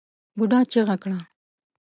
بوډا چيغه کړه!